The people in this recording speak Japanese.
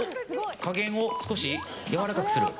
加減を少しやわらかくする。